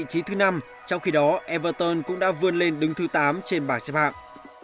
man city vươn lên vị trí thứ năm trong khi đó everton cũng đã vươn lên đứng thứ tám trên bảng xếp hạng